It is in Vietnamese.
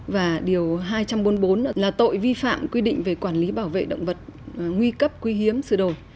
và điều hai trăm bốn mươi bốn là tội vi phạm quy định về quản lý bảo vệ động vật nguy cấp quý hiếm sửa đổi